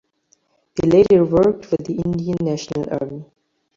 He later worked for the Indian National Army.